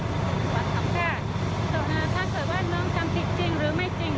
ถ้าเกิดว่าน้องทำผิดจริงหรือไม่จริง